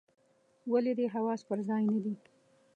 ولي دي حواس پر ځای نه دي ؟